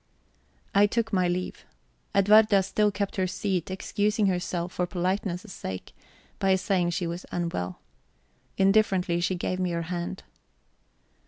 _ I took my leave. Edwarda still kept her seat, excusing herself, for politeness' sake, by saying she was unwell. Indifferently she gave me her hand.